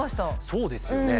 そうですよね。